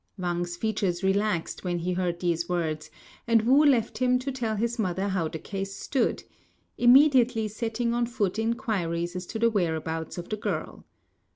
Wang's features relaxed when he heard these words; and Wu left him to tell his mother how the case stood, immediately setting on foot inquiries as to the whereabouts of the girl.